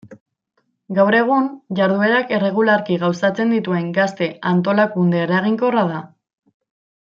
Gaur egun, jarduerak erregularki gauzatzen dituen gazte-antolakunde eraginkorra da.